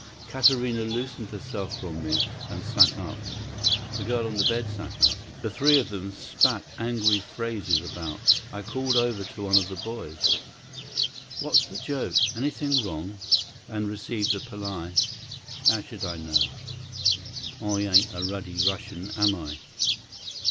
Katarina loosened herself from me, and sat up. The girl on the bed sat up. The three of them spat angry phrases about, I called over to one of the boys: "What's the joke? Anything wrong?" and received a reply: "Owshdiknow? I ain't a ruddy Russian, am I?"